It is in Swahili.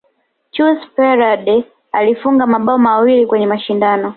Chus pereda alifunga mabao mawili kwenye mashindano